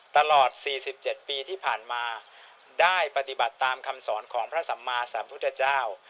ตลอด๔๗ปีที่ผ่านมาได้ปฏิบัติตามคำสอนของพระสัมมาสัมพุทธเจ้า